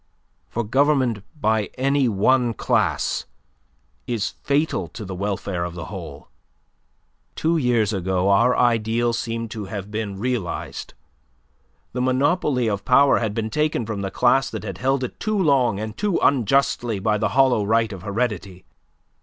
For government by any one class is fatal to the welfare of the whole. Two years ago our ideal seemed to have been realized. The monopoly of power had been taken from the class that had held it too long and too unjustly by the hollow right of heredity.